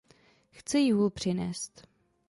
Chce jí hůl přinést.